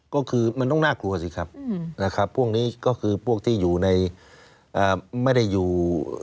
ก็คือมันต้องน่ากลัวสิครับครับพวกนี้ก็คือที่ไม่ได้มีสำนัก